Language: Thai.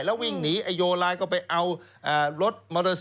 แล้ววิ่งหนีไอ้โยไลน์ก็ไปเอารถมอเตอร์ไซค